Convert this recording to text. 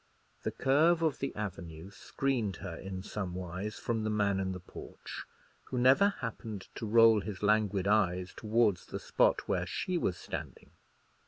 The curve of the avenue screened her, in some wise, from the man in the porch, who never happened to roll his languid eyes towards the spot where she was standing.